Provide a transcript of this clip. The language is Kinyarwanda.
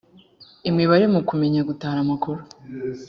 imibare mu kumenya gutara amakuru